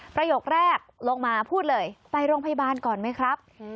ประโยคแรกลงมาพูดเลยไปโรงพยาบาลก่อนไหมครับ